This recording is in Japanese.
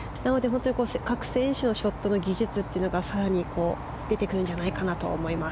各選手のショットの技術が更に出てくるんじゃないかと思います。